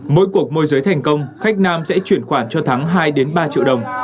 mỗi cuộc môi giới thành công khách nam sẽ chuyển khoản cho thắng hai ba triệu đồng